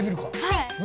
はい。